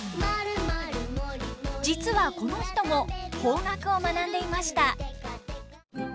実はこの人も邦楽を学んでいました。